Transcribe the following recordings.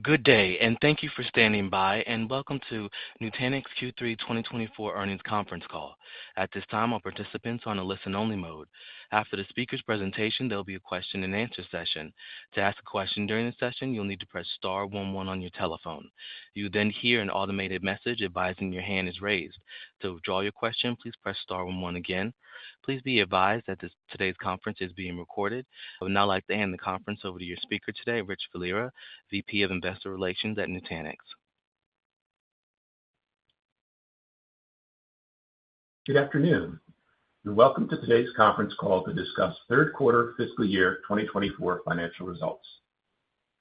Good day, and thank you for standing by, and welcome to Nutanix Q3 2024 Earnings Conference Call. At this time, all participants are on a listen-only mode. After the speaker's presentation, there'll be a question-and-answer session. To ask a question during the session, you'll need to press star one one on your telephone. You'll then hear an automated message advising your hand is raised. To withdraw your question, please press star one one again. Please be advised that this, today's conference is being recorded. I would now like to hand the conference over to your speaker today, Rich Valera, VP of Investor Relations at Nutanix. Good afternoon, and welcome to today's conference call to discuss Third Quarter Fiscal Year 2024 Financial Results.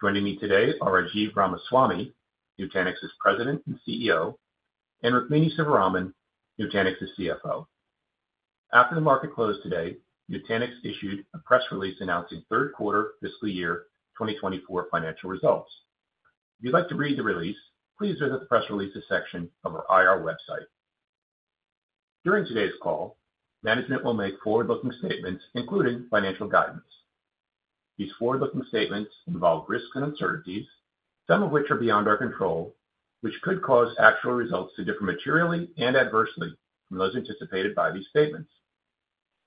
Joining me today are Rajiv Ramaswami, Nutanix's President and CEO, and Rukmini Sivaraman, Nutanix's CFO. After the market closed today, Nutanix issued a press release announcing third quarter fiscal year 2024 financial results. If you'd like to read the release, please visit the Press Releases section of our IR website. During today's call, management will make forward-looking statements, including financial guidance. These forward-looking statements involve risks and uncertainties, some of which are beyond our control, which could cause actual results to differ materially and adversely from those anticipated by these statements.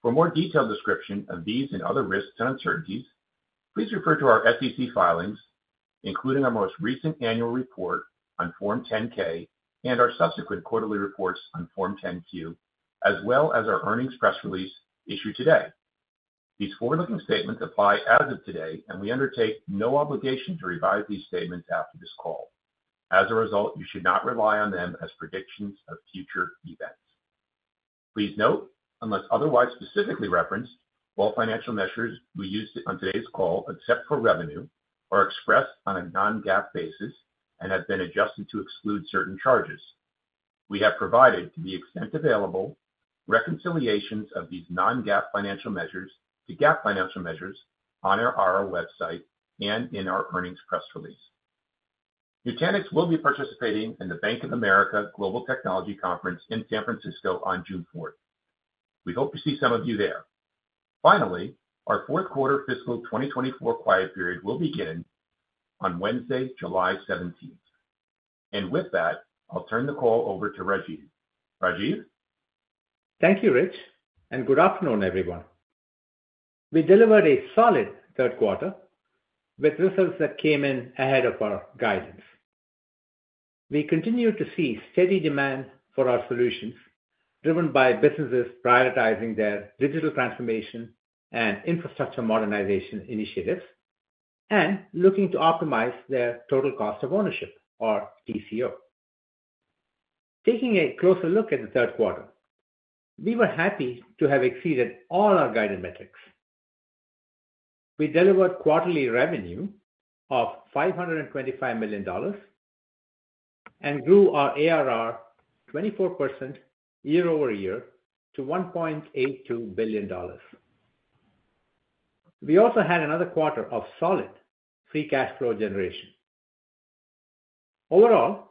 For more detailed description of these and other risks and uncertainties, please refer to our SEC filings, including our most recent annual report on Form 10-K and our subsequent quarterly reports on Form 10-Q, as well as our earnings press release issued today. These forward-looking statements apply as of today, and we undertake no obligation to revise these statements after this call. As a result, you should not rely on them as predictions of future events. Please note, unless otherwise specifically referenced, all financial measures we use on today's call, except for revenue, are expressed on a non-GAAP basis and have been adjusted to exclude certain charges. We have provided, to the extent available, reconciliations of these non-GAAP financial measures to GAAP financial measures on our IR website and in our earnings press release. Nutanix will be participating in the Bank of America Global Technology Conference in San Francisco on June 4. We hope to see some of you there. Finally, our fourth quarter fiscal 2024 quiet period will begin on Wednesday, July 17th. And with that, I'll turn the call over to Rajiv. Rajiv? Thank you, Rich, and good afternoon, everyone. We delivered a solid third quarter with results that came in ahead of our guidance. We continue to see steady demand for our solutions, driven by businesses prioritizing their digital transformation and infrastructure modernization initiatives and looking to optimize their total cost of ownership, or TCO. Taking a closer look at the third quarter, we were happy to have exceeded all our guided metrics. We delivered quarterly revenue of $525 million and grew our ARR 24% year-over-year to $1.82 billion. We also had another quarter of solid free cash flow generation. Overall,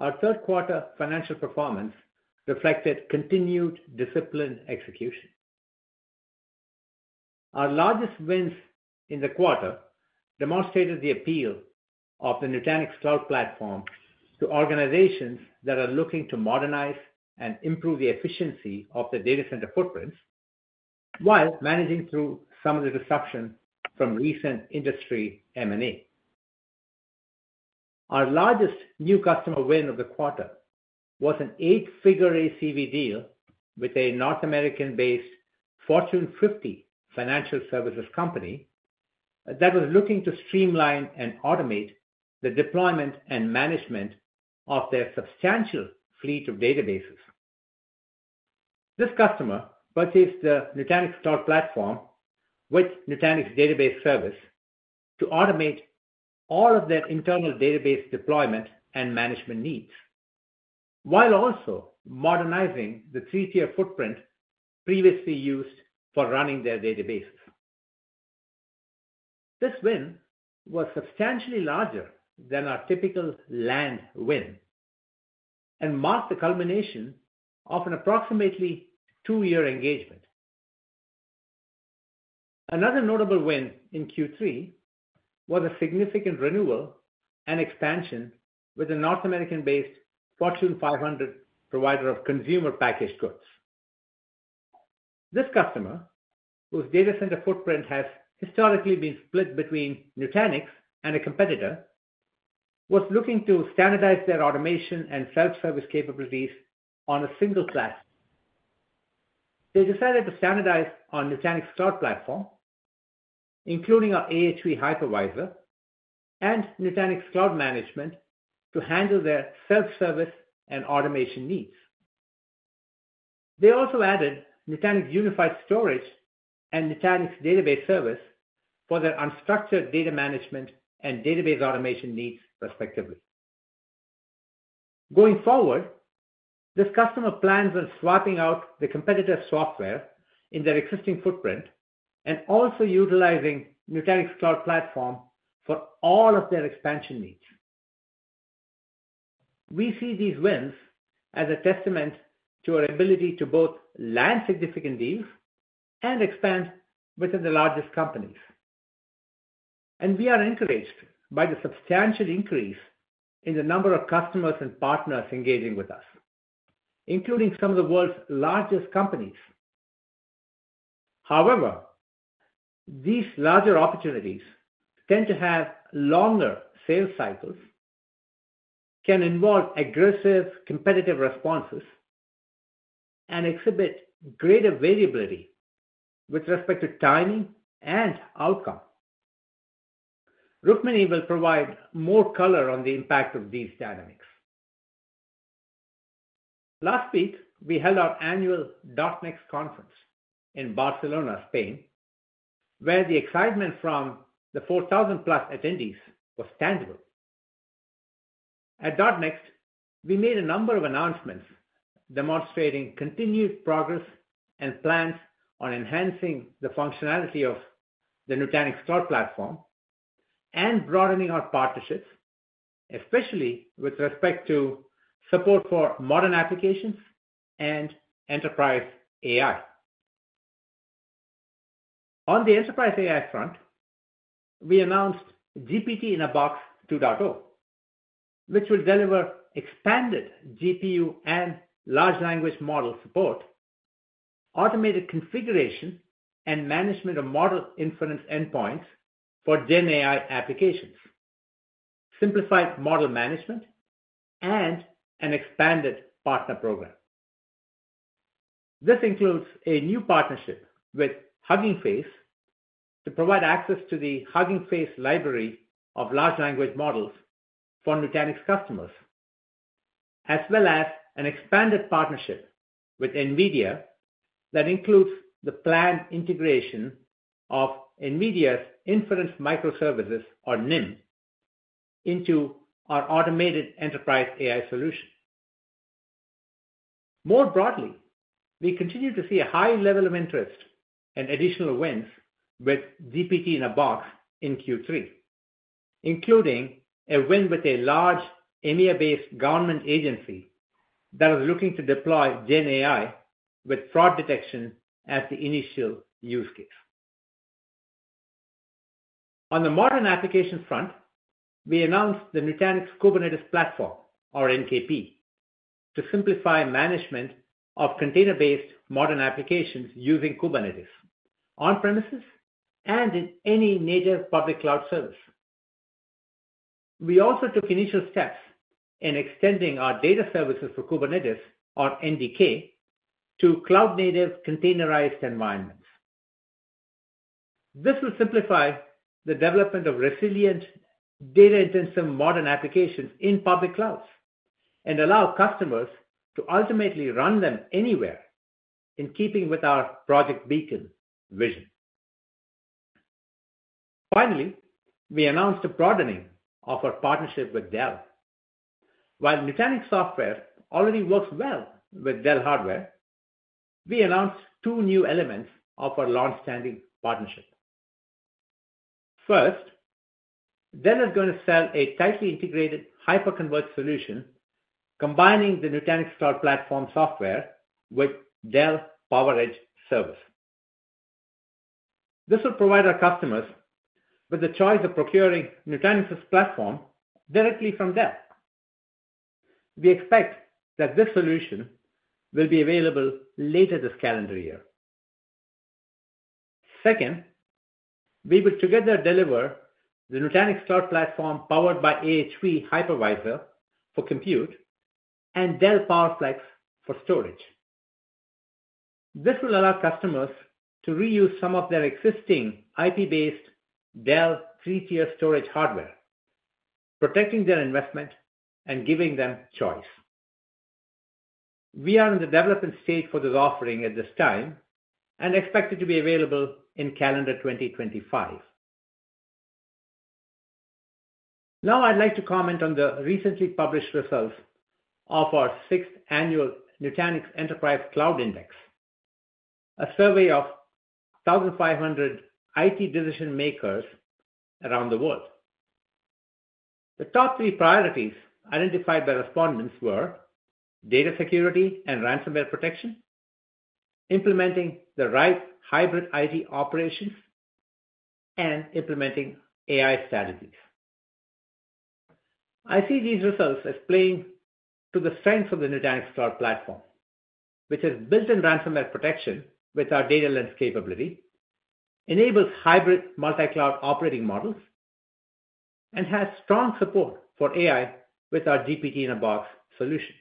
our third quarter financial performance reflected continued disciplined execution. Our largest wins in the quarter demonstrated the appeal of the Nutanix Cloud Platform to organizations that are looking to modernize and improve the efficiency of their data center footprints, while managing through some of the disruption from recent industry M&A. Our largest new customer win of the quarter was an 8-figure ACV deal with a North American-based Fortune 50 financial services company that was looking to streamline and automate the deployment and management of their substantial fleet of databases. This customer purchased the Nutanix Cloud Platform with Nutanix Database Service to automate all of their internal database deployment and management needs, while also modernizing the three-tier footprint previously used for running their databases. This win was substantially larger than our typical land win and marked the culmination of an approximately 2-year engagement. Another notable win in Q3 was a significant renewal and expansion with a North American-based Fortune 500 provider of consumer packaged goods. This customer, whose data center footprint has historically been split between Nutanix and a competitor, was looking to standardize their automation and self-service capabilities on a single platform. They decided to standardize on Nutanix Cloud Platform, including our AHV hypervisor and Nutanix Cloud Management, to handle their self-service and automation needs. They also added Nutanix Unified Storage and Nutanix Database Service for their unstructured data management and database automation needs, respectively. Going forward, this customer plans on swapping out the competitor's software in their existing footprint and also utilizing Nutanix Cloud Platform for all of their expansion needs.... We see these wins as a testament to our ability to both land significant deals and expand within the largest companies. We are encouraged by the substantial increase in the number of customers and partners engaging with us, including some of the world's largest companies. However, these larger opportunities tend to have longer sales cycles, can involve aggressive competitive responses, and exhibit greater variability with respect to timing and outcome. Rukmini will provide more color on the impact of these dynamics. Last week, we held our annual .NEXT Conference in Barcelona, Spain, where the excitement from the 4,000+ attendees was tangible. At .NEXT, we made a number of announcements demonstrating continued progress and plans on enhancing the functionality of the Nutanix Cloud Platform and broadening our partnerships, especially with respect to support for modern applications and enterprise AI. On the enterprise AI front, we announced GPT-in-a-Box 2.0, which will deliver expanded GPU and large language model support, automated configuration and management of model inference endpoints for GenAI applications, simplified model management, and an expanded partner program. This includes a new partnership with Hugging Face, to provide access to the Hugging Face library of large language models for Nutanix customers, as well as an expanded partnership with NVIDIA that includes the planned integration of NVIDIA's Inference Microservices, or NIM, into our automated enterprise AI solution. More broadly, we continue to see a high level of interest and additional wins with GPT-in-a-Box in Q3, including a win with a large EMEA-based government agency that was looking to deploy GenAI with fraud detection as the initial use case. On the modern application front, we announced the Nutanix Kubernetes Platform, or NKP, to simplify management of container-based modern applications using Kubernetes on-premises and in any native public cloud service. We also took initial steps in extending our data services for Kubernetes on NKP to cloud-native containerized environments. This will simplify the development of resilient, data-intensive modern applications in public clouds and allow customers to ultimately run them anywhere, in keeping with our Project Beacon vision. Finally, we announced a broadening of our partnership with Dell. While Nutanix software already works well with Dell hardware, we announced two new elements of our long-standing partnership. First, Dell is going to sell a tightly integrated hyper-converged solution, combining the Nutanix Cloud Platform software with Dell PowerEdge servers. This will provide our customers with the choice of procuring Nutanix's platform directly from Dell. We expect that this solution will be available later this calendar year. Second, we will together deliver the Nutanix Cloud Platform, powered by AHV Hypervisor for compute and Dell PowerFlex for storage. This will allow customers to reuse some of their existing IP-based Dell three-tier storage hardware, protecting their investment and giving them choice. We are in the development stage for this offering at this time and expect it to be available in calendar 2025. Now, I'd like to comment on the recently published results of our sixth annual Nutanix Enterprise Cloud Index, a survey of 1,500 IT decision-makers around the world. The top three priorities identified by respondents were: data security and ransomware protection, implementing the right hybrid IT operations, and implementing AI strategies. I see these results as playing to the strength of the Nutanix Cloud Platform, which is built-in ransomware protection with our Data Lens capability, enables hybrid multi-cloud operating models, and has strong support for AI with our GPT-in-a-Box solution.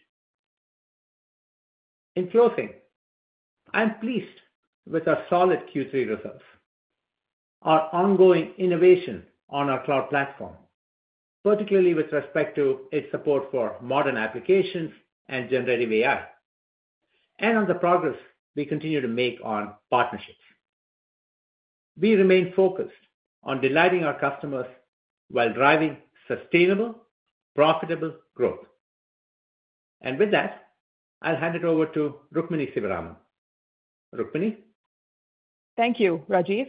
In closing, I'm pleased with our solid Q3 results, our ongoing innovation on our cloud platform, particularly with respect to its support for modern applications and generative AI, and on the progress we continue to make on partnerships. We remain focused on delighting our customers while driving sustainable, profitable growth. And with that, I'll hand it over to Rukmini Sivaraman. Rukmini? Thank you, Rajiv.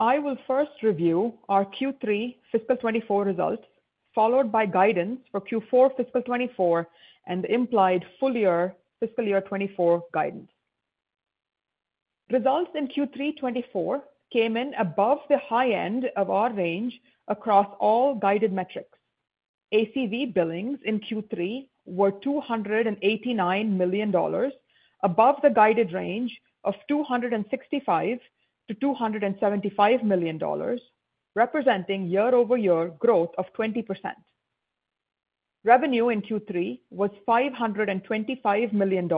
I will first review our Q3 Fiscal 2024 results, followed by guidance for Q4 fiscal 2024 and the implied full-year fiscal year 2024 guidance. Results in Q3 2024 came in above the high end of our range across all guided metrics. ACV billings in Q3 were $289 million, above the guided range of $265 million-$275 million, representing year-over-year growth of 20%. Revenue in Q3 was $525 million,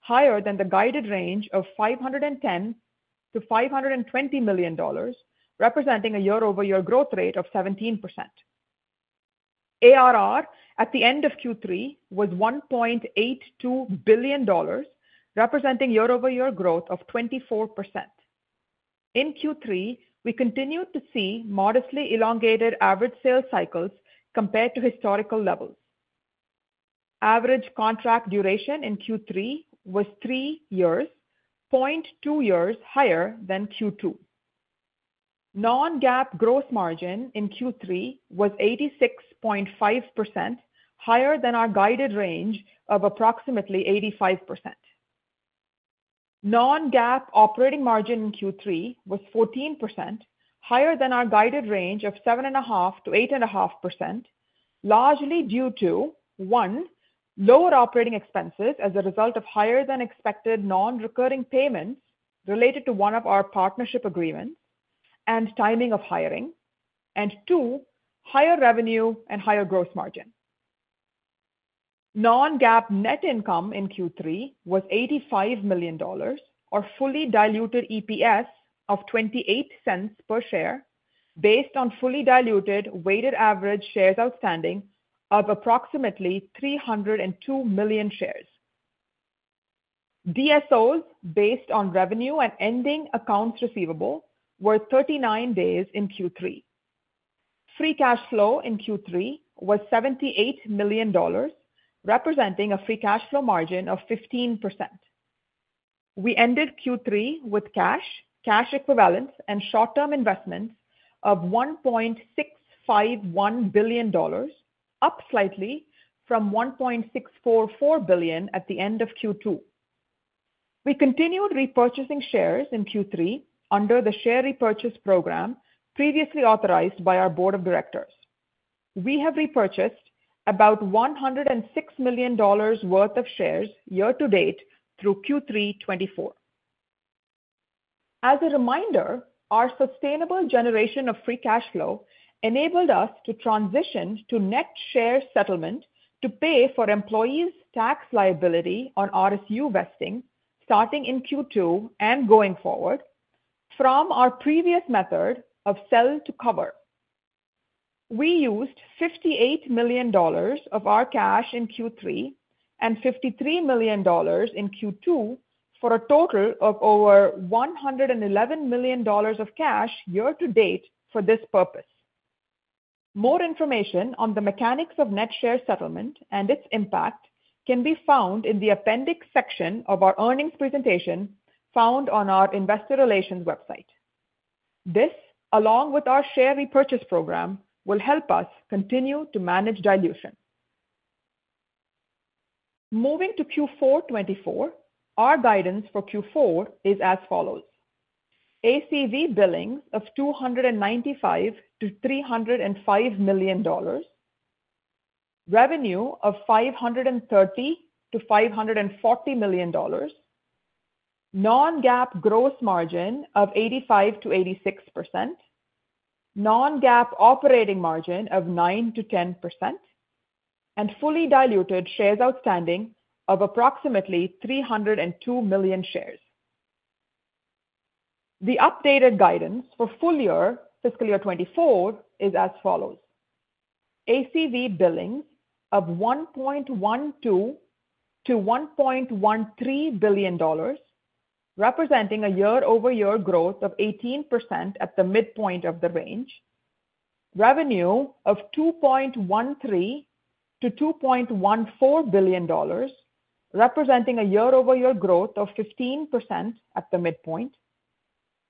higher than the guided range of $510 million-$520 million, representing a year-over-year growth rate of 17%. ARR at the end of Q3 was $1.82 billion, representing year-over-year growth of 24%. In Q3, we continued to see modestly elongated average sales cycles compared to historical levels. Average contract duration in Q3 was 3 years, 0.2 years higher than Q2. Non-GAAP gross margin in Q3 was 86.5%, higher than our guided range of approximately 85%. Non-GAAP operating margin in Q3 was 14%, higher than our guided range of 7.5%-8.5%, largely due to, one, lower operating expenses as a result of higher than expected non-recurring payments related to one of our partnership agreements and timing of hiring, and two, higher revenue and higher gross margin. Non-GAAP net income in Q3 was $85 million, or fully diluted EPS of $0.28 per share, based on fully diluted weighted average shares outstanding of approximately 302 million shares. DSOs, based on revenue and ending accounts receivable, were 39 days in Q3. Free cash flow in Q3 was $78 million, representing a free cash flow margin of 15%. We ended Q3 with cash, cash equivalents, and short-term investments of $1.651 billion, up slightly from $1.644 billion at the end of Q2. We continued repurchasing shares in Q3 under the share repurchase program previously authorized by our board of directors. We have repurchased about $106 million worth of shares year-to-date through Q3 2024. As a reminder, our sustainable generation of free cash flow enabled us to transition to net share settlement to pay for employees' tax liability on RSU vesting, starting in Q2 and going forward, from our previous method of sell to cover. We used $58 million of our cash in Q3 and $53 million in Q2, for a total of over $111 million of cash year-to-date for this purpose. More information on the mechanics of net share settlement and its impact can be found in the appendix section of our earnings presentation, found on our investor relations website. This, along with our share repurchase program, will help us continue to manage dilution. Moving to Q4 2024, our guidance for Q4 is as follows: ACV billing of $295 million-$305 million, revenue of $530 million-$540 million, non-GAAP gross margin of 85%-86%, non-GAAP operating margin of 9%-10%, and fully diluted shares outstanding of approximately 302 million shares. The updated guidance for full year, fiscal year 2024, is as follows: ACV billings of $1.12-$1.13 billion, representing a year-over-year growth of 18% at the midpoint of the range, revenue of $2.13-$2.14 billion, representing a year-over-year growth of 15% at the midpoint,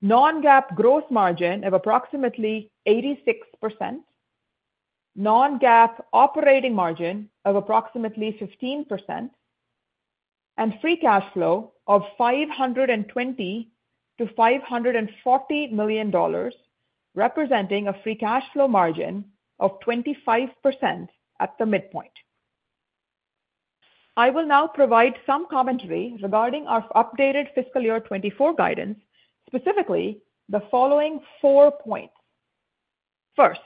non-GAAP gross margin of approximately 86%, non-GAAP operating margin of approximately 15%, and free cash flow of $520-$540 million, representing a free cash flow margin of 25% at the midpoint. I will now provide some commentary regarding our updated fiscal year 2024 guidance, specifically the following four points. First,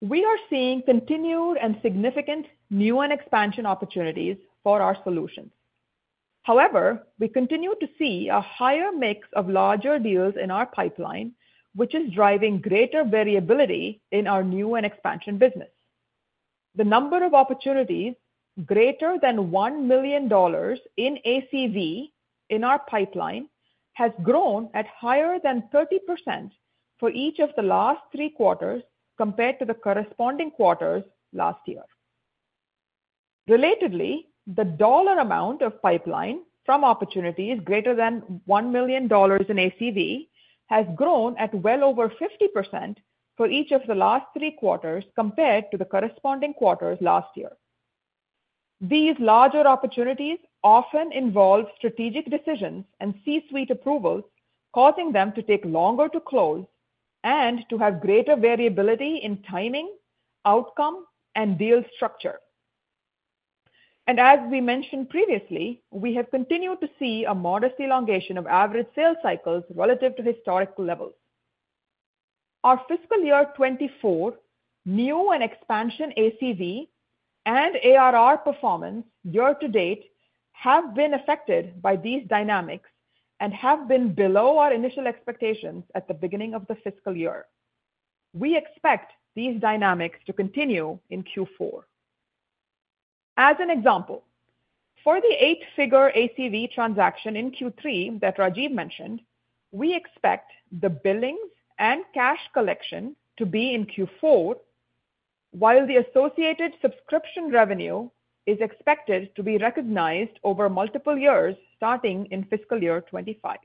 we are seeing continued and significant new and expansion opportunities for our solutions. However, we continue to see a higher mix of larger deals in our pipeline, which is driving greater variability in our new and expansion business. The number of opportunities greater than $1 million in ACV in our pipeline has grown at higher than 30% for each of the last 3 quarters compared to the corresponding quarters last year. Relatedly, the dollar amount of pipeline from opportunities greater than $1 million in ACV has grown at well over 50% for each of the last 3 quarters, compared to the corresponding quarters last year. These larger opportunities often involve strategic decisions and C-suite approvals, causing them to take longer to close and to have greater variability in timing, outcome, and deal structure. As we mentioned previously, we have continued to see a modest elongation of average sales cycles relative to historical levels. Our fiscal year 2024, new and expansion ACV and ARR performance year-to-date have been affected by these dynamics and have been below our initial expectations at the beginning of the fiscal year. We expect these dynamics to continue in Q4. As an example, for the eight-figure ACV transaction in Q3 that Rajiv mentioned, we expect the billings and cash collection to be in Q4, while the associated subscription revenue is expected to be recognized over multiple years, starting in fiscal year 2025.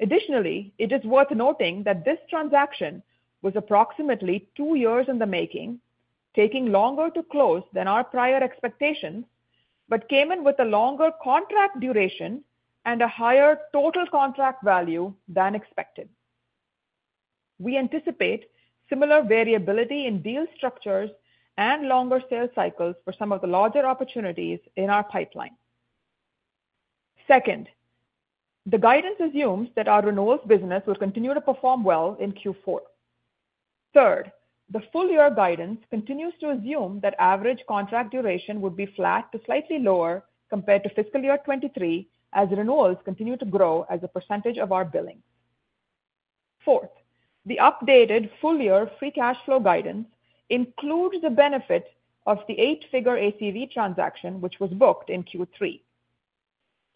Additionally, it is worth noting that this transaction was approximately 2 years in the making, taking longer to close than our prior expectations, but came in with a longer contract duration and a higher total contract value than expected. We anticipate similar variability in deal structures and longer sales cycles for some of the larger opportunities in our pipeline. Second, the guidance assumes that our renewals business will continue to perform well in Q4. Third, the full year guidance continues to assume that average contract duration will be flat to slightly lower compared to fiscal year 2023, as renewals continue to grow as a percentage of our billing. Fourth, the updated full year free cash flow guidance includes the benefit of the eight-figure ACV transaction, which was booked in Q3.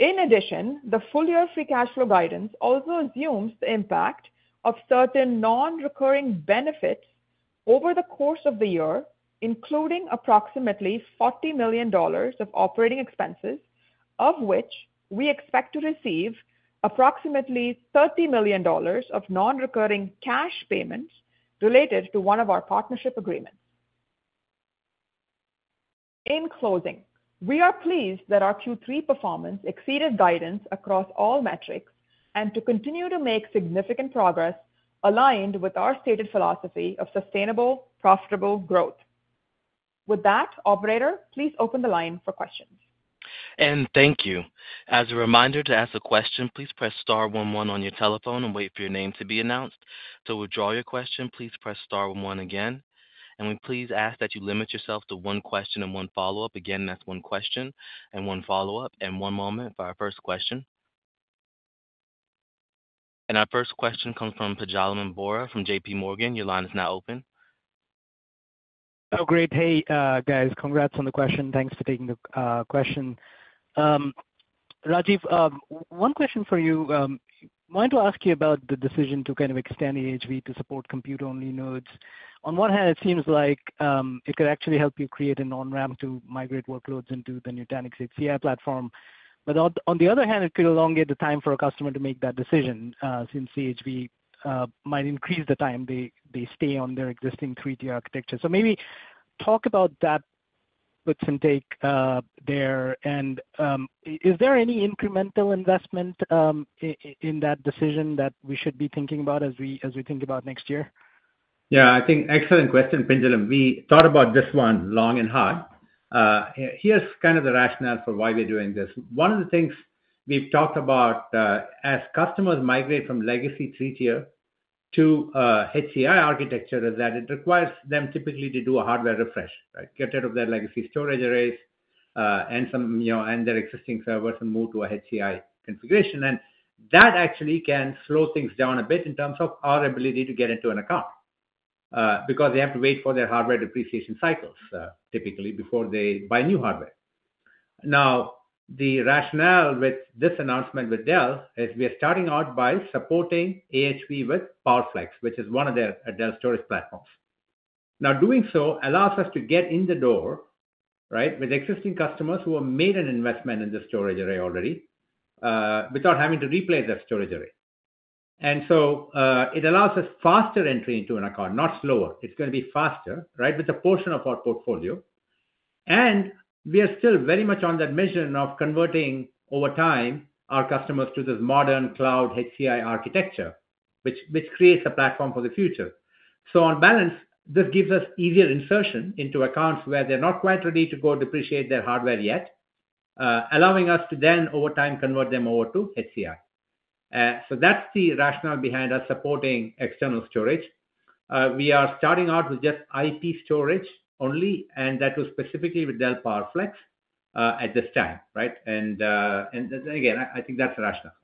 In addition, the full year free cash flow guidance also assumes the impact of certain non-recurring benefits over the course of the year, including approximately $40 million of operating expenses, of which we expect to receive approximately $30 million of non-recurring cash payments related to one of our partnership agreements. In closing, we are pleased that our Q3 performance exceeded guidance across all metrics, and to continue to make significant progress aligned with our stated philosophy of sustainable, profitable growth. With that, operator, please open the line for questions. And thank you. As a reminder to ask a question, please press star one one on your telephone and wait for your name to be announced. To withdraw your question, please press star one one again, and we please ask that you limit yourself to one question and one follow-up. Again, that's one question and one follow-up. And one moment for our first question. And our first question comes from Pinjalim Bora from JPMorgan. Your line is now open. Oh, great. Hey, guys, congrats on the question. Thanks for taking the question. Rajiv, one question for you. Wanted to ask you about the decision to kind of extend AHV to support compute-only nodes. On one hand, it seems like it could actually help you create an on-ramp to migrate workloads into the Nutanix HCI platform. But on the other hand, it could elongate the time for a customer to make that decision, since AHV might increase the time they stay on their existing three-tier architecture. So maybe talk about that, put some take there. And, is there any incremental investment in that decision that we should be thinking about as we think about next year? Yeah, I think excellent question, Pinjalim. We thought about this one long and hard. Here's kind of the rationale for why we're doing this. One of the things we've talked about, as customers migrate from legacy three-tier to, HCI architecture, is that it requires them typically to do a hardware refresh, right? Get rid of their legacy storage arrays, and some, you know, and their existing servers and move to a HCI configuration. And that actually can slow things down a bit in terms of our ability to get into an account, because they have to wait for their hardware depreciation cycles, typically before they buy new hardware. Now, the rationale with this announcement with Dell is we are starting out by supporting AHV with PowerFlex, which is one of their Dell storage platforms. Now, doing so allows us to get in the door, right, with existing customers who have made an investment in the storage array already, without having to replace their storage array. And so, it allows us faster entry into an account, not slower. It's gonna be faster, right, with a portion of our portfolio. And we are still very much on that mission of converting, over time, our customers to this modern cloud HCI architecture, which creates a platform for the future. So on balance, this gives us easier insertion into accounts where they're not quite ready to go depreciate their hardware yet, allowing us to then, over time, convert them over to HCI. So that's the rationale behind us supporting external storage. We are starting out with just IP storage only, and that was specifically with Dell PowerFlex, at this time, right? And again, I think that's the rationale.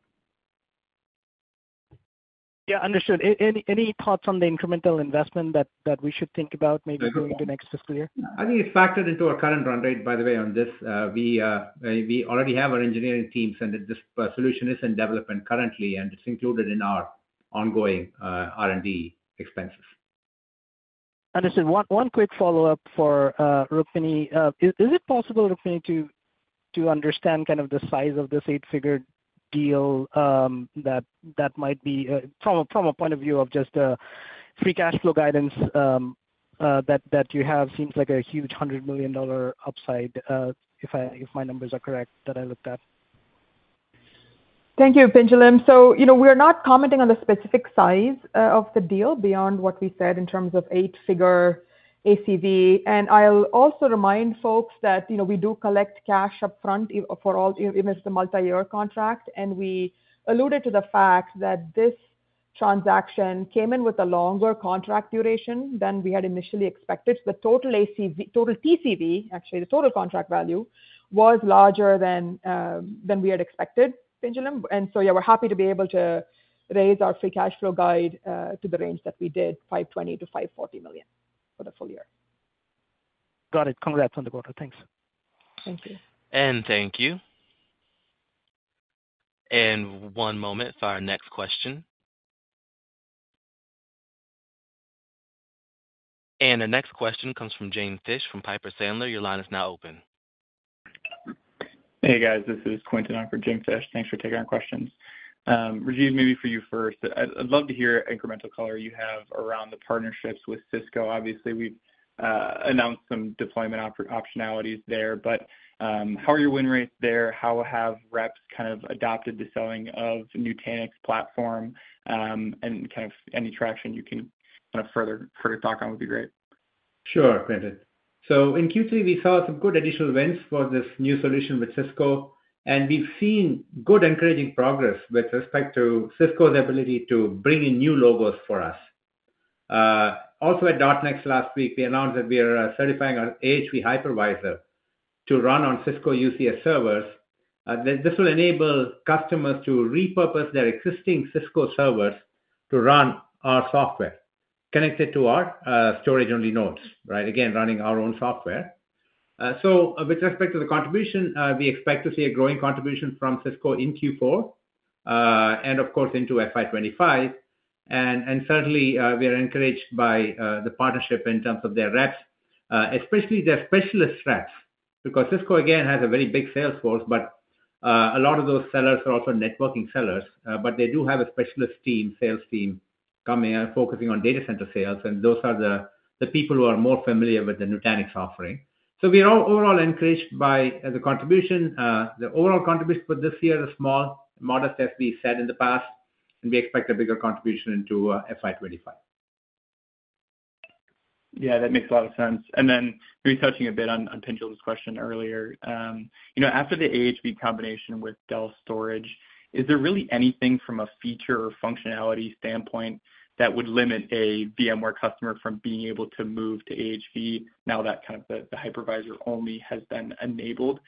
Yeah, understood. Any thoughts on the incremental investment that we should think about maybe- Sure. going into next fiscal year? I think it's factored into our current run rate, by the way, on this. We already have our engineering teams, and this solution is in development currently, and it's included in our guidance... ongoing R&D expenses. Understood. One quick follow-up for Rukmini. Is it possible, Rukmini, to understand kind of the size of this eight-figure deal that might be from a point of view of just free cash flow guidance that you have? Seems like a huge $100 million upside if my numbers are correct that I looked at? Thank you, Pinjalim. So, you know, we're not commenting on the specific size of the deal beyond what we said in terms of 8-figure ACV. I'll also remind folks that, you know, we do collect cash upfront for all, even if it's a multi-year contract. We alluded to the fact that this transaction came in with a longer contract duration than we had initially expected. The total ACV, total TCV, actually, the total contract value, was larger than we had expected, Pinjalim. So, yeah, we're happy to be able to raise our free cash flow guide to the range that we did, $520 million-$540 million for the full year. Got it. Congrats on the quarter. Thanks. Thank you. Thank you. One moment for our next question. The next question comes from James Fish from Piper Sandler. Your line is now open. Hey, guys, this is Quinton on for James Fish. Thanks for taking our questions. Rajiv, maybe for you first. I'd, I'd love to hear incremental color you have around the partnerships with Cisco. Obviously, we've announced some deployment optionalities there. But, how are your win rates there? How have reps kind of adopted the selling of the Nutanix platform? And kind of any traction you can kind of further, further talk on would be great. Sure, Quinton. So in Q3, we saw some good initial wins for this new solution with Cisco, and we've seen good encouraging progress with respect to Cisco's ability to bring in new logos for us. Also, at .NEXT last week, we announced that we are certifying our AHV hypervisor to run on Cisco UCS servers. This, this will enable customers to repurpose their existing Cisco servers to run our software, connected to our storage-only nodes, right? Again, running our own software. So with respect to the contribution, we expect to see a growing contribution from Cisco in Q4, and of course, into FY 2025. And certainly, we are encouraged by the partnership in terms of their reps, especially their specialist reps, because Cisco again has a very big sales force. But, a lot of those sellers are also networking sellers, but they do have a specialist team, sales team coming and focusing on data center sales, and those are the, the people who are more familiar with the Nutanix offering. So we are all overall encouraged by the contribution. The overall contribution for this year is small, modest, as we said in the past, and we expect a bigger contribution into, FY 25. Yeah, that makes a lot of sense. And then retouching a bit on Pinjalim's question earlier. You know, after the AHV combination with Dell storage, is there really anything from a feature or functionality standpoint that would limit a VMware customer from being able to move to AHV now that kind of the hypervisor only has been enabled?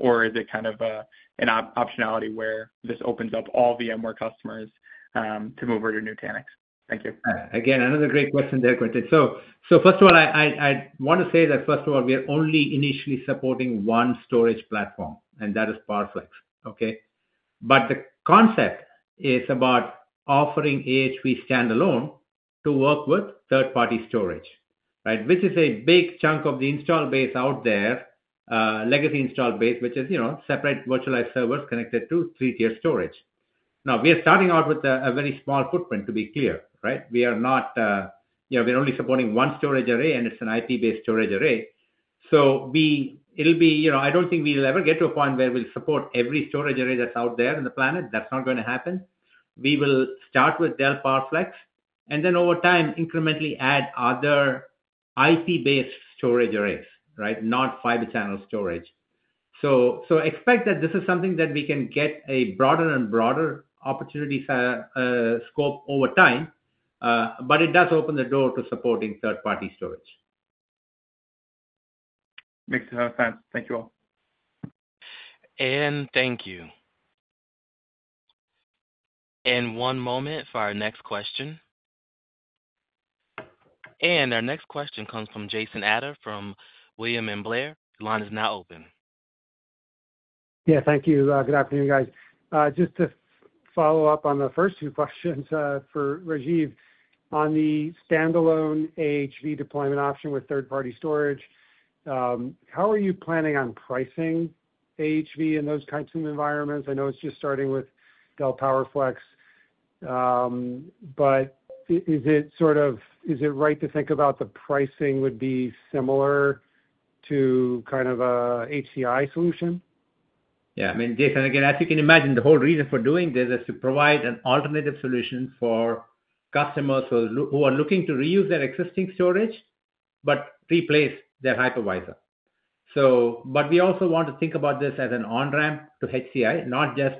Or is it kind of an optionality where this opens up all VMware customers to move over to Nutanix? Thank you. Again, another great question there, Quinton. So first of all, I want to say that first of all, we are only initially supporting one storage platform, and that is PowerFlex, okay? But the concept is about offering AHV standalone to work with third-party storage, right? Which is a big chunk of the installed base out there, legacy installed base, which is, you know, separate virtualized servers connected to three-tier storage. Now, we are starting out with a very small footprint, to be clear, right? We are not. You know, we're only supporting one storage array, and it's an IP-based storage array. So it'll be. You know, I don't think we'll ever get to a point where we'll support every storage array that's out there on the planet. That's not gonna happen. We will start with Dell PowerFlex, and then over time, incrementally add other IP-based storage arrays, right? Not Fibre Channel storage. So, expect that this is something that we can get a broader and broader opportunity, scope over time, but it does open the door to supporting third-party storage. Makes a lot of sense. Thank you all. Thank you. One moment for our next question. Our next question comes from Jason Ader from William Blair. Your line is now open. Yeah, thank you. Good afternoon, guys. Just to follow up on the first two questions, for Rajiv. On the standalone AHV deployment option with third-party storage, how are you planning on pricing AHV in those kinds of environments? I know it's just starting with Dell PowerFlex, but is it sort of-- is it right to think about the pricing would be similar to kind of a HCI solution? Yeah, I mean, Jason, again, as you can imagine, the whole reason for doing this is to provide an alternative solution for customers who are looking to reuse their existing storage but replace their hypervisor. So, but we also want to think about this as an on-ramp to HCI, not just,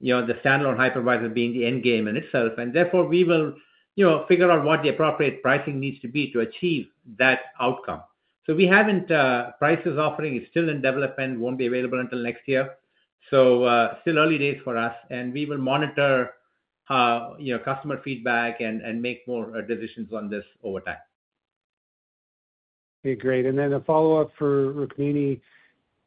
you know, the standalone hypervisor being the end game in itself. And therefore, we will, you know, figure out what the appropriate pricing needs to be to achieve that outcome. So we haven't, priced offering is still in development, won't be available until next year. So, still early days for us, and we will monitor, you know, customer feedback and make more decisions on this over time.... Okay, great. And then a follow-up for Rukmini.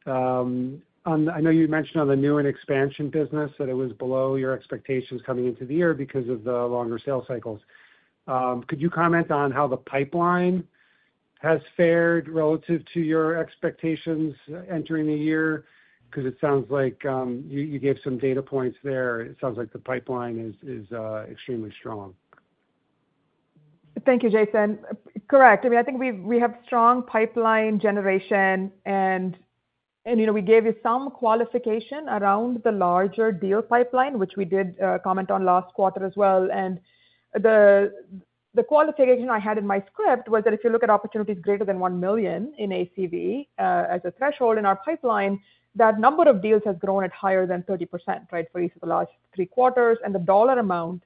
On, I know you mentioned on the new and expansion business that it was below your expectations coming into the year because of the longer sales cycles. Could you comment on how the pipeline has fared relative to your expectations entering the year? 'Cause it sounds like you gave some data points there. It sounds like the pipeline is extremely strong. Thank you, Jason. Correct. I mean, I think we've we have strong pipeline generation and, you know, we gave you some qualification around the larger deal pipeline, which we did comment on last quarter as well. And the qualification I had in my script was that if you look at opportunities greater than $1 million in ACV as a threshold in our pipeline, that number of deals has grown at higher than 30%, right? For each of the last three quarters. And the dollar amount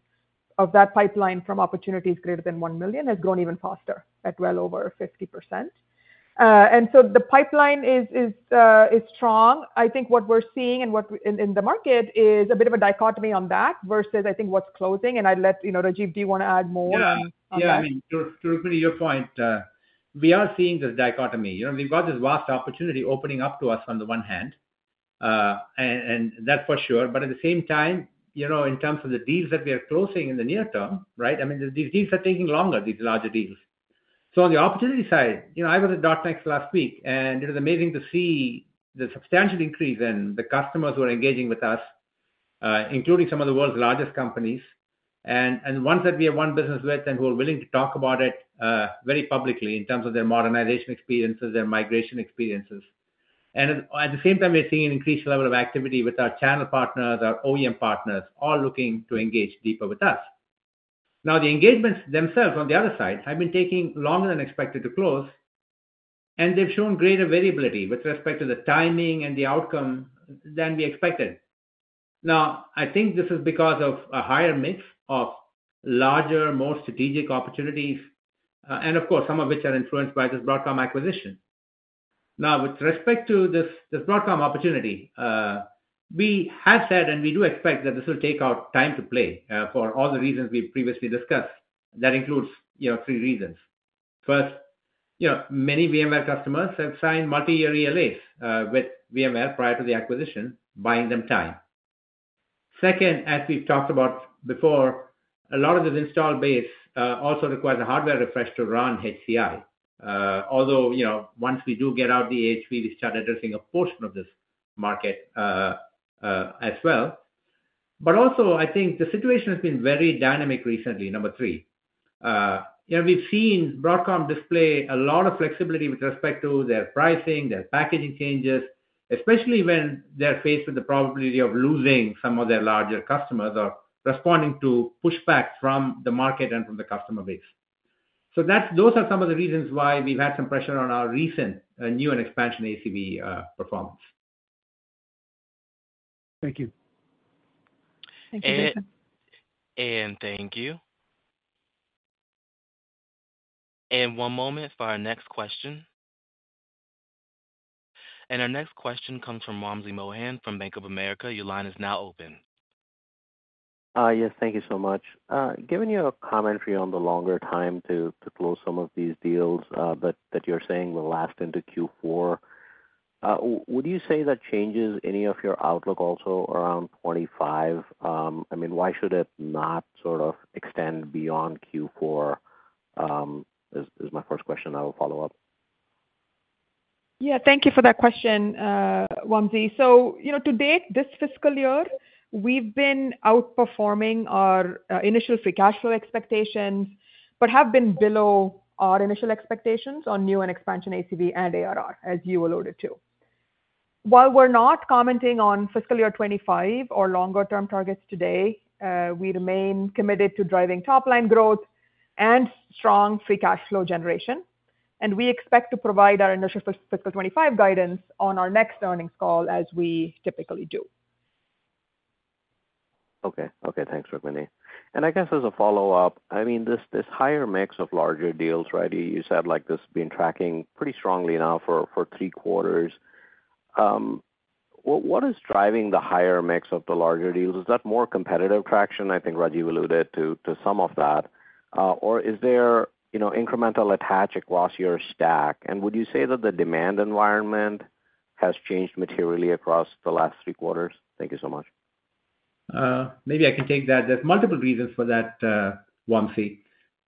of that pipeline from opportunities greater than $1 million has grown even faster, at well over 50%. And so the pipeline is strong. I think what we're seeing and what we in the market is a bit of a dichotomy on that versus, I think, what's closing. I'd let you know, Rajiv. Do you want to add more on that? Yeah. Yeah, I mean, to your point, we are seeing this dichotomy. You know, we've got this vast opportunity opening up to us on the one hand, and that for sure. But at the same time, you know, in terms of the deals that we are closing in the near term, right, I mean, these deals are taking longer, these larger deals. So on the opportunity side, you know, I was at .NEXT last week, and it was amazing to see the substantial increase in the customers who are engaging with us, including some of the world's largest companies. And ones that we have won business with and who are willing to talk about it very publicly in terms of their modernization experiences, their migration experiences. And at the same time, we're seeing an increased level of activity with our channel partners, our OEM partners, all looking to engage deeper with us. Now, the engagements themselves, on the other side, have been taking longer than expected to close, and they've shown greater variability with respect to the timing and the outcome than we expected. Now, I think this is because of a higher mix of larger, more strategic opportunities, and of course, some of which are influenced by this Broadcom acquisition. Now, with respect to this, this Broadcom opportunity, we had said, and we do expect that this will take out time to play, for all the reasons we've previously discussed. That includes, you know, three reasons. First, you know, many VMware customers have signed multi-year ELAs with VMware prior to the acquisition, buying them time. Second, as we've talked about before, a lot of this installed base also requires a hardware refresh to run HCI. Although, you know, once we do get out the HPE, we start addressing a portion of this market, as well. But also, I think the situation has been very dynamic recently, number three. You know, we've seen Broadcom display a lot of flexibility with respect to their pricing, their packaging changes, especially when they're faced with the probability of losing some of their larger customers or responding to pushback from the market and from the customer base. So that's-those are some of the reasons why we've had some pressure on our recent, new and expansion ACV performance. Thank you. Thank you, Jason. Thank you. One moment for our next question. Our next question comes from Wamsi Mohan from Bank of America. Your line is now open. Yes, thank you so much. Given your commentary on the longer time to close some of these deals, that you're saying will last into Q4, would you say that changes any of your outlook also around 25? I mean, why should it not sort of extend beyond Q4, is my first question? I will follow up. Yeah, thank you for that question, Wamsi. So, you know, to date, this fiscal year, we've been outperforming our initial free cash flow expectations, but have been below our initial expectations on new and expansion ACV and ARR, as you alluded to. While we're not commenting on fiscal year 2025 or longer-term targets today, we remain committed to driving top-line growth and strong free cash flow generation. And we expect to provide our initial fiscal 25 guidance on our next earnings call, as we typically do. Okay. Okay, thanks, Rukmini. And I guess as a follow-up, I mean, this, this higher mix of larger deals, right? You said, like, this has been tracking pretty strongly now for three quarters. What is driving the higher mix of the larger deals? Is that more competitive traction? I think Rajiv alluded to some of that. Or is there, you know, incremental attach across your stack? And would you say that the demand environment has changed materially across the last three quarters? Thank you so much. Maybe I can take that. There's multiple reasons for that, Wamsi.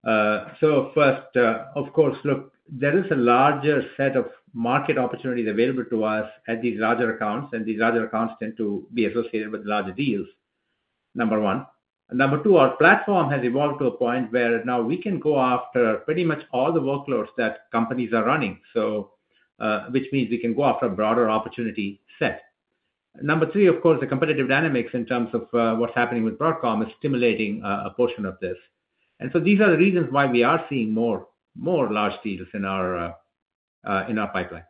So first, of course, look, there is a larger set of market opportunities available to us at these larger accounts, and these larger accounts tend to be associated with larger deals, number one. Number two, our platform has evolved to a point where now we can go after pretty much all the workloads that companies are running, so, which means we can go after a broader opportunity set. Number three, of course, the competitive dynamics in terms of, what's happening with Broadcom is stimulating, a portion of this. And so these are the reasons why we are seeing more, more large deals in our, in our pipeline.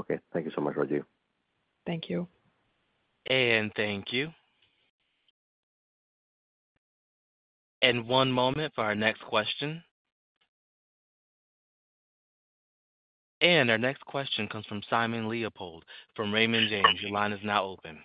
Okay, thank you so much, Rajiv. Thank you. Thank you. One moment for our next question.... And our next question comes from Simon Leopold from Raymond James. Your line is now open.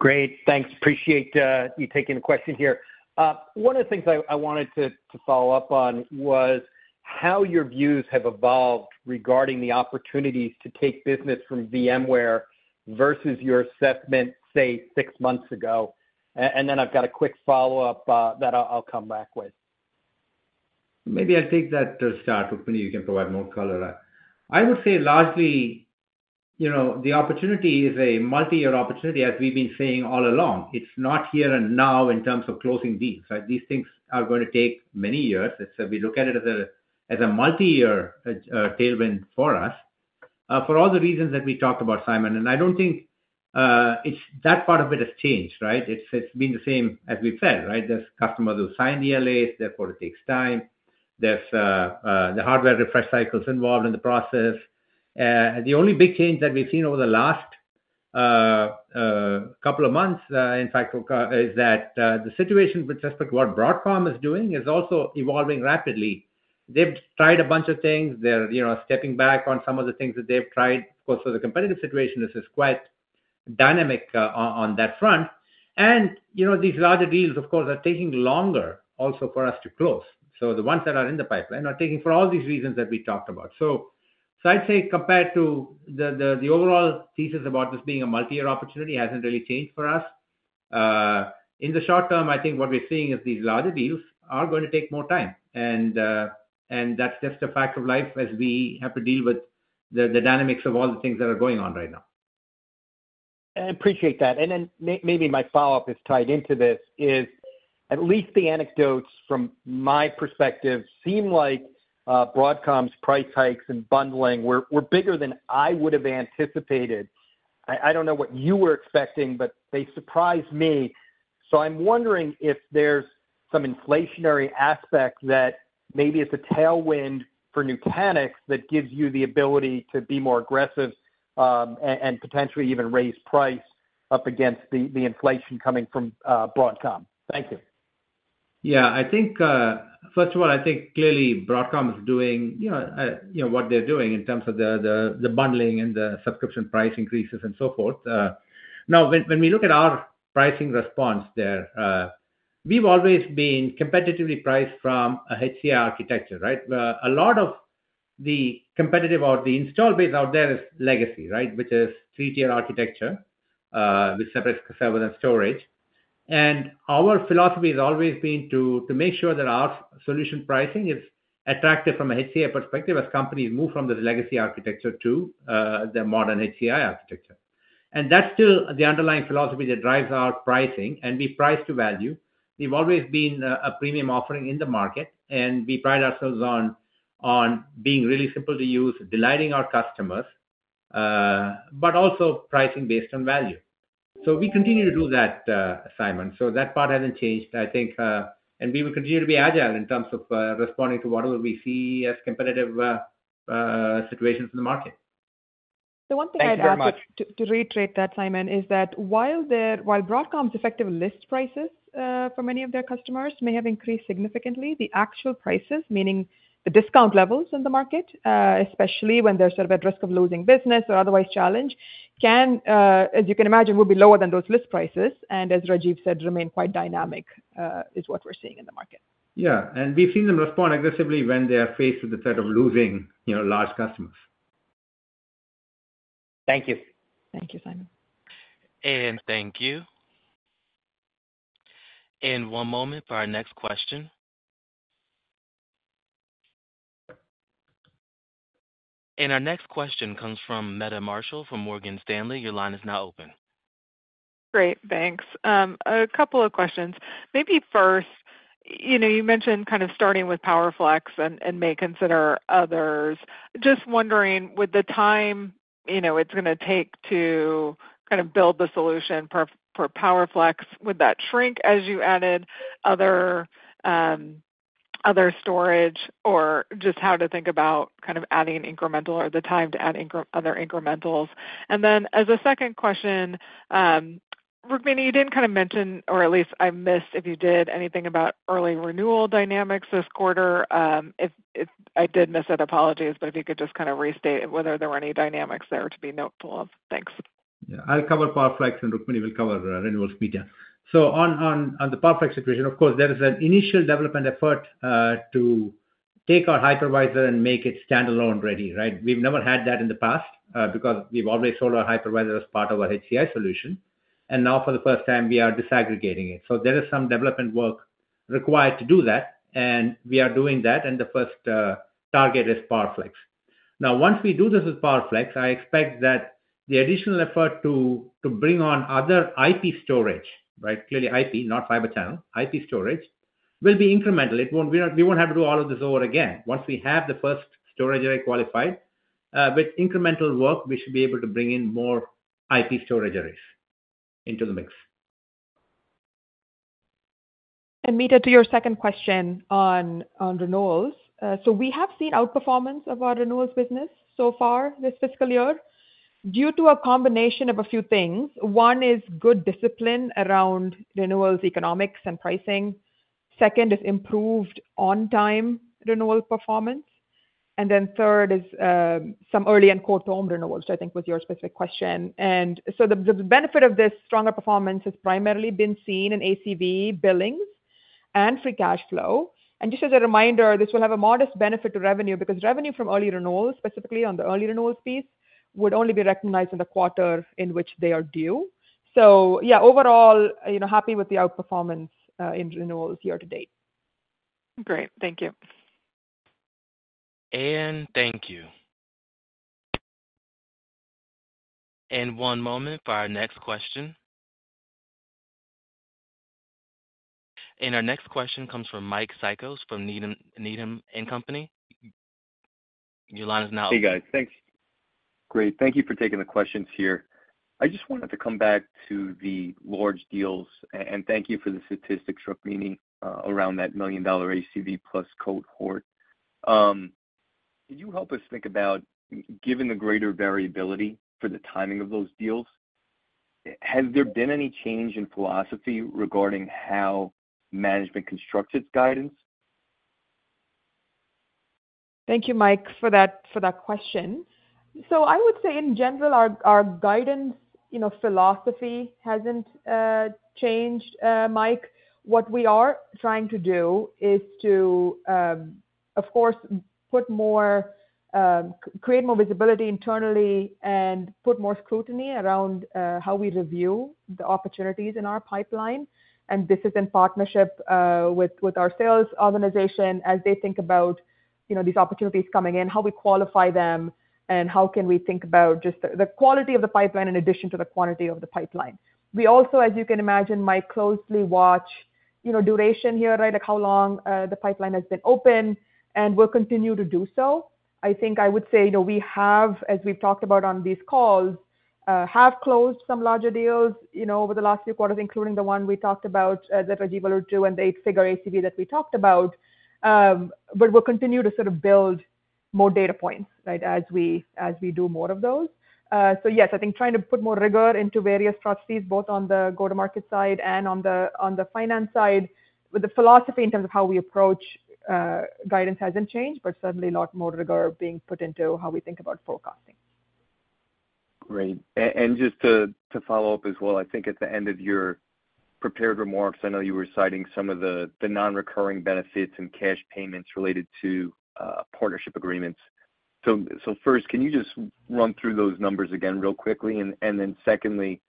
Great, thanks. Appreciate you taking the question here. One of the things I wanted to follow up on was how your views have evolved regarding the opportunities to take business from VMware versus your assessment, say, six months ago. And then I've got a quick follow-up that I'll come back with. Maybe I'll take that to start. Rukmini, you can provide more color. I would say largely, you know, the opportunity is a multi-year opportunity, as we've been saying all along. It's not here and now in terms of closing deals, right? These things are going to take many years. It's, we look at it as a, as a multi-year tailwind for us, for all the reasons that we talked about, Simon, and I don't think, it's, that part of it has changed, right? It's, it's been the same as we said, right? There's customers who sign the ELAs, therefore it takes time. There's the hardware refresh cycles involved in the process. The only big change that we've seen over the last couple of months, in fact, is that the situation with respect to what Broadcom is doing is also evolving rapidly. They've tried a bunch of things. They're, you know, stepping back on some of the things that they've tried. Of course, so the competitive situation, this is quite dynamic on that front. You know, these larger deals, of course, are taking longer also for us to close. So the ones that are in the pipeline are taking for all these reasons that we talked about. So I'd say compared to the overall thesis about this being a multi-year opportunity hasn't really changed for us. In the short term, I think what we're seeing is these larger deals are going to take more time, and that's just a fact of life as we have to deal with the dynamics of all the things that are going on right now. I appreciate that. Then maybe my follow-up is tied into this, is at least the anecdotes from my perspective seem like Broadcom's price hikes and bundling were bigger than I would have anticipated. I don't know what you were expecting, but they surprised me. So I'm wondering if there's some inflationary aspect that maybe it's a tailwind for Nutanix, that gives you the ability to be more aggressive and potentially even raise price up against the the inflation coming from Broadcom? Thank you. Yeah, I think, first of all, I think clearly Broadcom is doing, you know, you know, what they're doing in terms of the bundling and the subscription price increases and so forth. Now, when we look at our pricing response there, we've always been competitively priced from a HCI architecture, right? A lot of the competitive or the installed base out there is legacy, right? Which is three-tier architecture with separate server and storage. And our philosophy has always been to make sure that our solution pricing is attractive from an HCI perspective, as companies move from this legacy architecture to the modern HCI architecture. And that's still the underlying philosophy that drives our pricing, and we price to value. We've always been a premium offering in the market, and we pride ourselves on being really simple to use, delighting our customers, but also pricing based on value. So we continue to do that, Simon. So that part hasn't changed, I think, and we will continue to be agile in terms of responding to whatever we see as competitive situations in the market. Thank you very much. The one thing I'd add to reiterate that, Simon, is that while Broadcom's effective list prices for many of their customers may have increased significantly, the actual prices, meaning the discount levels in the market, especially when they're sort of at risk of losing business or otherwise challenged, can, as you can imagine, will be lower than those list prices, and as Rajiv said, remain quite dynamic, is what we're seeing in the market. Yeah, and we've seen them respond aggressively when they are faced with the threat of losing, you know, large customers. Thank you. Thank you, Simon. Thank you. One moment for our next question. Our next question comes from Meta Marshall from Morgan Stanley. Your line is now open. Great, thanks. A couple of questions. Maybe first, you know, you mentioned kind of starting with PowerFlex and may consider others. Just wondering, would the time, you know, it's gonna take to kind of build the solution for PowerFlex, would that shrink as you added other, other storage? Or just how to think about kind of adding incremental or the time to add other incrementals. And then as a second question, Rukmini, you didn't kind of mention, or at least I missed if you did, anything about early renewal dynamics this quarter. If I did miss it, apologies, but if you could just kind of restate whether there were any dynamics there to be noteworthy? Thanks. Yeah, I'll cover PowerFlex, and Rukmini will cover renewals detail. So on the PowerFlex situation, of course, there is an initial development effort to take our hypervisor and make it standalone ready, right? We've never had that in the past because we've always sold our hypervisor as part of our HCI solution, and now for the first time, we are disaggregating it. So there is some development work required to do that, and we are doing that, and the first target is PowerFlex. Now, once we do this with PowerFlex, I expect that the additional effort to bring on other IP storage, right, clearly IP, not Fibre Channel, IP storage, will be incremental. It won't, we won't have to do all of this over again. Once we have the first storage array qualified, with incremental work, we should be able to bring in more IP storage arrays into the mix. Meta, to your second question on renewals. So we have seen outperformance of our renewals business so far this fiscal year. ... due to a combination of a few things. One is good discipline around renewals, economics, and pricing. Second is improved on-time renewal performance. And then third is some early end-of-term renewals, I think, was your specific question. And so the benefit of this stronger performance has primarily been seen in ACV billings and free cash flow. And just as a reminder, this will have a modest benefit to revenue, because revenue from early renewals, specifically on the early renewals piece, would only be recognized in the quarter in which they are due. So yeah, overall, you know, happy with the outperformance in renewals year-to-date. Great, thank you. Thank you. One moment for our next question. Our next question comes from Mike Cikos, from Needham & Company. Your line is now open. Hey, guys, thanks. Great, thank you for taking the questions here. I just wanted to come back to the large deals, and thank you for the statistics Rukmini, around that $1 million ACV plus cohort. Could you help us think about, given the greater variability for the timing of those deals, has there been any change in philosophy regarding how management constructs its guidance? Thank you, Mike, for that, for that question. So I would say in general, our, our guidance, you know, philosophy hasn't changed, Mike. What we are trying to do is to, of course, put more, create more visibility internally and put more scrutiny around, how we review the opportunities in our pipeline. And this is in partnership, with, with our sales organization as they think about, you know, these opportunities coming in, how we qualify them, and how can we think about just the, the quality of the pipeline in addition to the quantity of the pipeline. We also, as you can imagine, Mike, closely watch, you know, duration here, right? Like, how long, the pipeline has been open, and we'll continue to do so. I think I would say, you know, we have, as we've talked about on these calls, have closed some larger deals, you know, over the last few quarters, including the one we talked about, that Rajiv will do, and the eight-figure ACV that we talked about. But we'll continue to sort of build more data points, right, as we, as we do more of those. So yes, I think trying to put more rigor into various areas, both on the go-to-market side and on the, on the finance side, with the philosophy in terms of how we approach, guidance hasn't changed, but certainly a lot more rigor being put into how we think about forecasting. Great. And just to follow up as well, I think at the end of your prepared remarks, I know you were citing some of the non-recurring benefits and cash payments related to partnership agreements. So first, can you just run through those numbers again real quickly? And then secondly,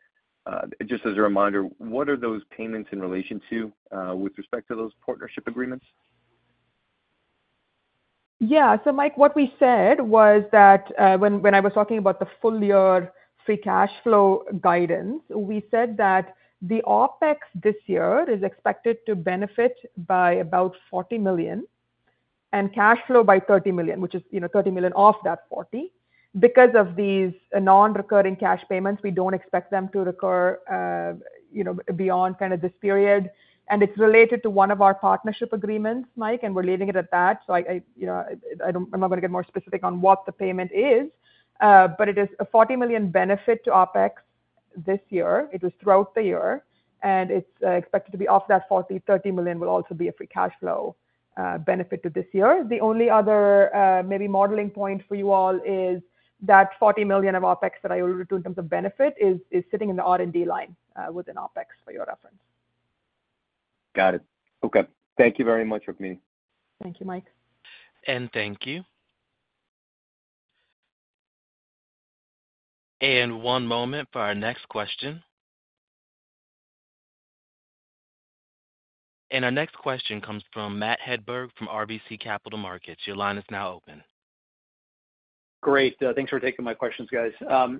just as a reminder, what are those payments in relation to with respect to those partnership agreements? Yeah. So Mike, what we said was that, when I was talking about the full year free cash flow guidance, we said that the OpEx this year is expected to benefit by about $40 million and cash flow by $30 million, which is, you know, $30 million off that $40 million. Because of these non-recurring cash payments, we don't expect them to recur, you know, beyond kind of this period. And it's related to one of our partnership agreements, Mike, and we're leaving it at that. So I, you know, I don't. I'm not gonna get more specific on what the payment is, but it is a $40 million benefit to OpEx this year. It is throughout the year, and it's expected to be off that $40 million, $30 million will also be a free cash flow benefit to this year. The only other, maybe modeling point for you all is that $40 million of OpEx that I alluded to in terms of benefit is, is sitting in the R&D line, within OpEx, for your reference. Got it. Okay. Thank you very much, Rukmini. Thank you, Mike. Thank you. One moment for our next question. Our next question comes from Matt Hedberg from RBC Capital Markets. Your line is now open. Great, thanks for taking my questions, guys. I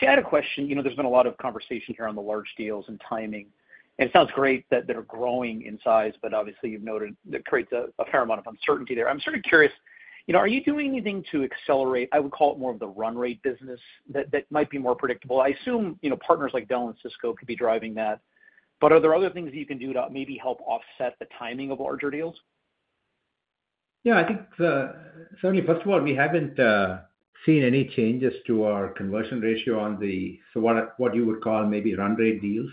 had a question. You know, there's been a lot of conversation here on the large deals and timing, and it sounds great that they're growing in size, but obviously you've noted that creates a fair amount of uncertainty there. I'm sort of curious, you know, are you doing anything to accelerate, I would call it more of the run rate business, that might be more predictable? I assume, you know, partners like Dell and Cisco could be driving that, but are there other things you can do to maybe help offset the timing of larger deals? Yeah, I think, so first of all, we haven't seen any changes to our conversion ratio on the, so what you would call maybe run rate deals.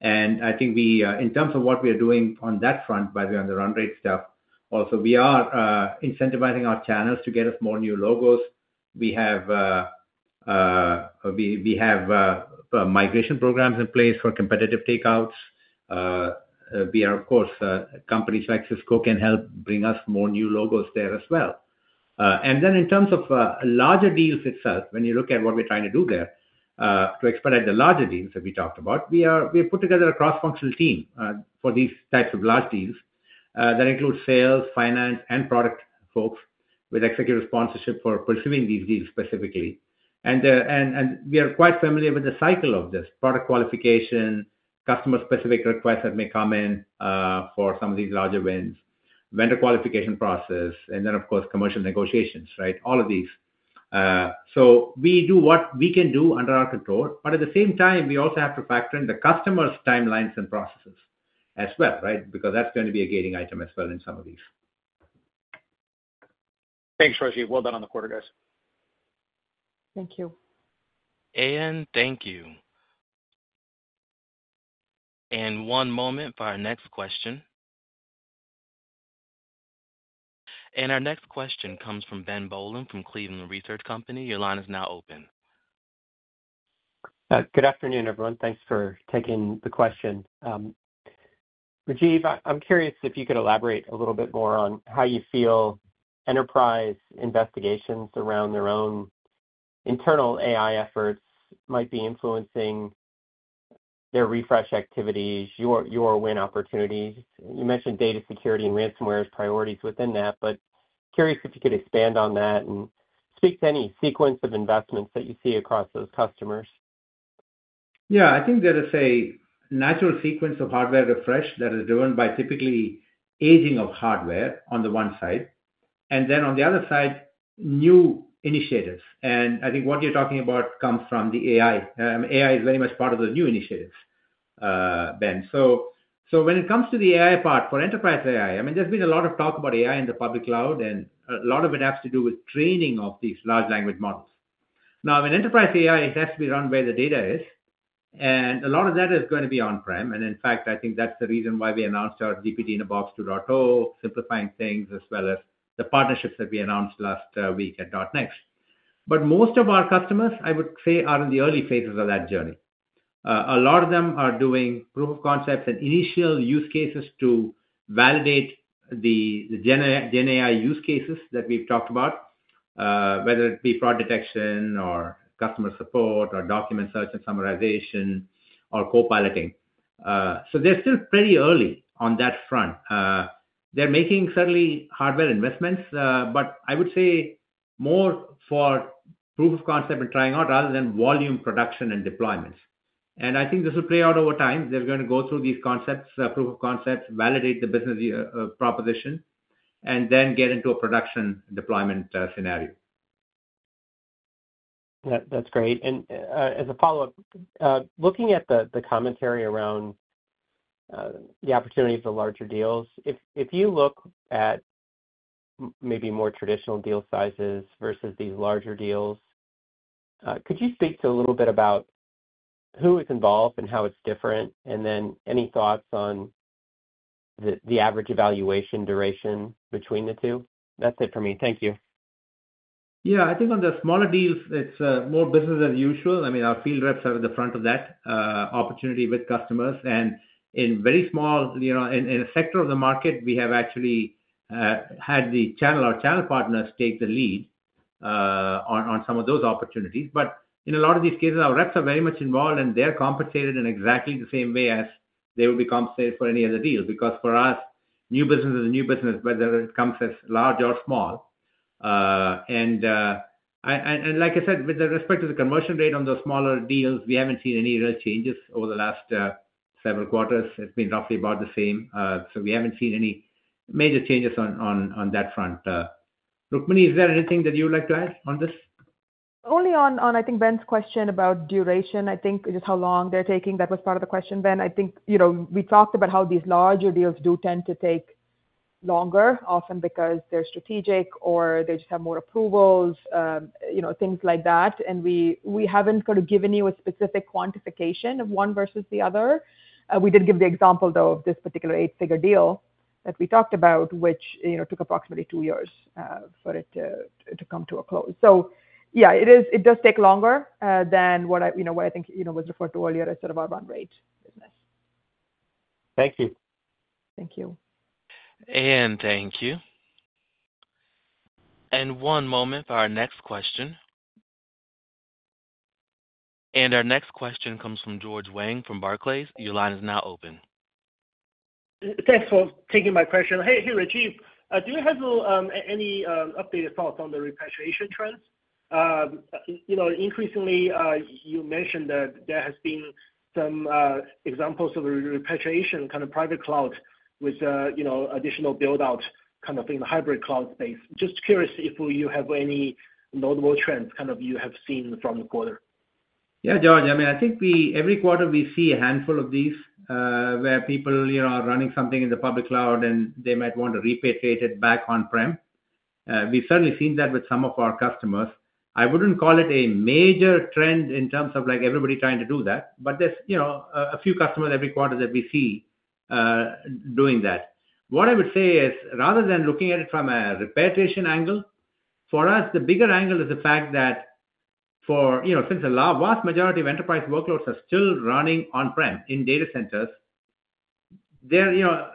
And I think we, in terms of what we are doing on that front, by the way, on the run rate stuff, also, we are incentivizing our channels to get us more new logos. We have migration programs in place for competitive takeouts. We are, of course, companies like Cisco can help bring us more new logos there as well. And then in terms of larger deals itself, when you look at what we're trying to do there, to expedite the larger deals that we talked about, we have put together a cross-functional team for these types of large deals. That includes sales, finance, and product folks with executive sponsorship for pursuing these deals specifically. We are quite familiar with the cycle of this product qualification, customer-specific requests that may come in for some of these larger wins, vendor qualification process, and then, of course, commercial negotiations, right? All of these. So we do what we can do under our control, but at the same time, we also have to factor in the customers' timelines and processes as well, right? Because that's going to be a gating item as well in some of these.... Thanks, Rajiv. Well done on the quarter, guys. Thank you. And thank you. And one moment for our next question. And our next question comes from Ben Bollin from Cleveland Research Company. Your line is now open. Good afternoon, everyone. Thanks for taking the question. Rajiv, I'm curious if you could elaborate a little bit more on how you feel enterprise investigations around their own internal AI efforts might be influencing their refresh activities, your win opportunities. You mentioned data security and ransomware as priorities within that, but curious if you could expand on that and speak to any sequence of investments that you see across those customers. Yeah, I think there is a natural sequence of hardware refresh that is driven by typically aging of hardware on the one side, and then on the other side, new initiatives. And I think what you're talking about comes from the AI. AI is very much part of the new initiatives, Ben. So when it comes to the AI part, for enterprise AI, I mean, there's been a lot of talk about AI in the public cloud, and a lot of it has to do with training of these large language models. Now, in enterprise AI, it has to be run where the data is, and a lot of that is gonna be on-prem. And in fact, I think that's the reason why we announced our GPT-in-a-Box 2.0, simplifying things, as well as the partnerships that we announced last week at .NEXT. But most of our customers, I would say, are in the early phases of that journey. A lot of them are doing proof of concepts and initial use cases to validate the GenAI use cases that we've talked about, whether it be fraud detection or customer support or document search and summarization or co-piloting. So they're still pretty early on that front. They're making certainly hardware investments, but I would say more for proof of concept and trying out rather than volume production and deployments. And I think this will play out over time. They're gonna go through these concepts, proof of concepts, validate the business proposition, and then get into a production deployment scenario. That, that's great. And as a follow-up, looking at the commentary around the opportunity for larger deals, if you look at maybe more traditional deal sizes versus these larger deals, could you speak to a little bit about who is involved and how it's different? And then any thoughts on the average evaluation duration between the two? That's it for me. Thank you. Yeah. I think on the smaller deals, it's more business as usual. I mean, our field reps are at the front of that opportunity with customers. And in very small, you know, in a sector of the market, we have actually had the channel or channel partners take the lead on some of those opportunities. But in a lot of these cases, our reps are very much involved, and they're compensated in exactly the same way as they would be compensated for any other deal. Because for us, new business is a new business, whether it comes as large or small. And like I said, with respect to the conversion rate on those smaller deals, we haven't seen any real changes over the last several quarters. It's been roughly about the same. So, we haven't seen any major changes on that front. Rukmini, is there anything that you would like to add on this? Only on Ben's question about duration, I think, just how long they're taking. That was part of the question, Ben. I think, you know, we talked about how these larger deals do tend to take longer, often because they're strategic or they just have more approvals, you know, things like that. And we haven't sort of given you a specific quantification of one versus the other. We did give the example, though, of this particular eight-figure deal that we talked about, which, you know, took approximately two years for it to come to a close. So yeah, it does take longer than what I, you know, what I think, you know, was referred to earlier as sort of our run rate business. Thank you. Thank you. Thank you. One moment for our next question. Our next question comes from George Wang from Barclays. Your line is now open. Thanks for taking my question. Hey, Rajiv, do you have any updated thoughts on the repatriation trends? You know, increasingly, you mentioned that there has been some examples of repatriation, kind of private cloud with, you know, additional build-out kind of in the hybrid cloud space. Just curious if you have any notable trends, kind of, you have seen from the quarter. Yeah, George. I mean, I think every quarter, we see a handful of these, where people, you know, are running something in the public cloud, and they might want to repatriate it back on-prem. We've certainly seen that with some of our customers. I wouldn't call it a major trend in terms of, like, everybody trying to do that, but there's, you know, a few customers every quarter that we see doing that. What I would say is, rather than looking at it from a repatriation angle, for us, the bigger angle is the fact that for... You know, since a lot, vast majority of enterprise workloads are still running on-prem in data centers, they're, you know,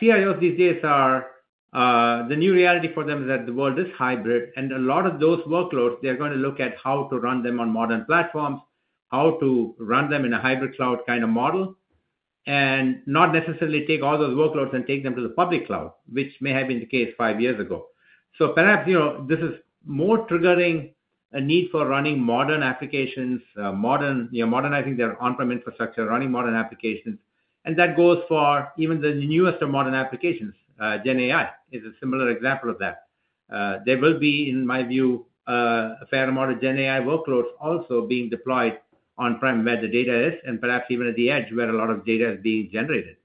CIOs these days are the new reality for them is that the world is hybrid, and a lot of those workloads, they're gonna look at how to run them on modern platforms, how to run them in a hybrid cloud kind of model, and not necessarily take all those workloads and take them to the public cloud, which may have been the case five years ago. So perhaps, you know, this is more triggering a need for running modern applications, modern, you know, modernizing their on-prem infrastructure, running modern applications, and that goes for even the newest of modern applications. GenAI is a similar example of that. There will be, in my view, a fair amount of GenAI workloads also being deployed on-prem, where the data is, and perhaps even at the edge, where a lot of data is being generated.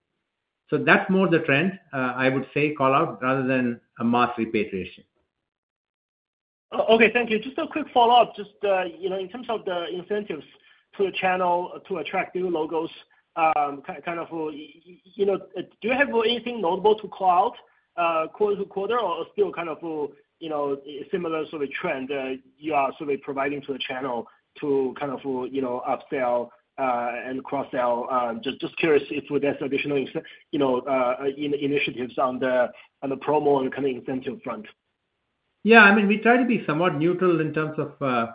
So that's more the trend, I would say call out, rather than a mass repatriation. Okay, thank you. Just a quick follow-up. Just, you know, in terms of the incentives to a channel to attract new logos, kind of, you know, do you have anything notable to call out, quarter to quarter, or still kind of, you know, similar sort of trend, you are sort of providing to the channel to kind of, you know, upsell, and cross-sell? Just curious if there's additional incentive initiatives on the, on the promo and kind of incentive front. Yeah, I mean, we try to be somewhat neutral in terms of,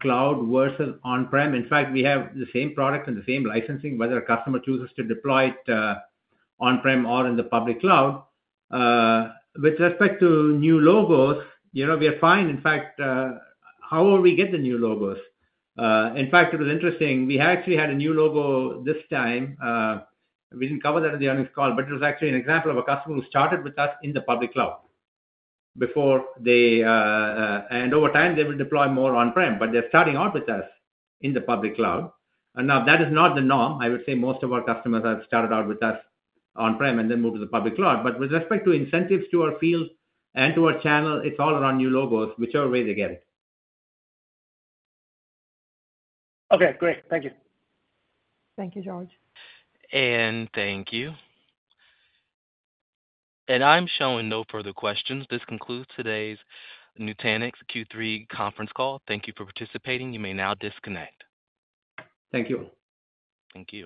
cloud versus on-prem. In fact, we have the same product and the same licensing, whether a customer chooses to deploy it, on-prem or in the public cloud. With respect to new logos, you know, we are fine. In fact, how will we get the new logos? In fact, it was interesting. We actually had a new logo this time. We didn't cover that in the earnings call, but it was actually an example of a customer who started with us in the public cloud before they... And over time, they will deploy more on-prem, but they're starting out with us in the public cloud. And now, that is not the norm. I would say most of our customers have started out with us on-prem and then moved to the public cloud. But with respect to incentives to our field and to our channel, it's all around new logos, whichever way they get it. Okay, great. Thank you. Thank you, George. And thank you. And I'm showing no further questions. This concludes today's Nutanix Q3 conference call. Thank you for participating. You may now disconnect. Thank you. Thank you.